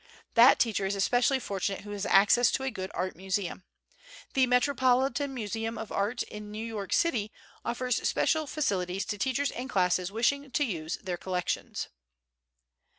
That teacher is especially fortunate who has access to a good art museum. The Metropolitan Museum of Art of New York City offers special facilities to teachers and classes wishing to use their collections.